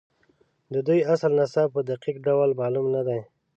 د دوی اصل نسب په دقیق ډول معلوم نه دی.